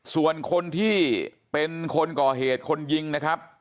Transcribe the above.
ส่วนคนที่เป็นคนก่อเหตุคนยิงนะครับ